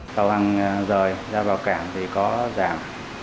tàu hàng rời ra vào cảng thì có giảm